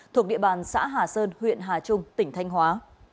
thuộc địa bàn xã hà sơn huyện hà trung tỉnh thanh hóa